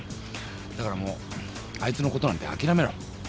だからもうあいつのことなんてあきらめろ。